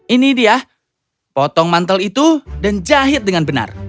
ini dia potong mantel itu dan jahit dengan benar